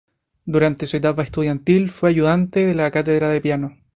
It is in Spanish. Durante su etapa estudiantil fue ayudante de la cátedra de piano.